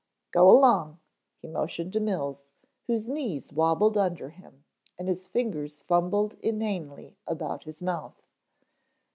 "Go along," he motioned to Mills, whose knees wobbled under him and his fingers fumbled inanely about his mouth.